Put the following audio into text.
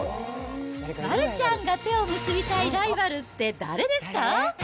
丸ちゃんが手を結びたいライバルって、誰ですか？